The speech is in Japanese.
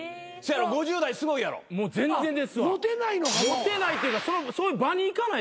モテないというかそういう場に行かないですね。